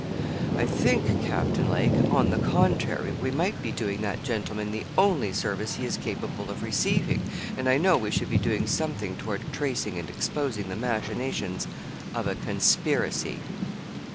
'I think, Captain Lake, on the contrary, we might be doing that gentleman the only service he is capable of receiving, and I know we should be doing something toward tracing and exposing the machinations of a conspiracy.'